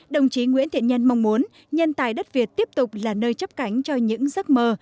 đồng chí nguyễn thiện nhân mong muốn nhân tài đất việt tiếp tục là nơi chấp cánh cho những giấc mơ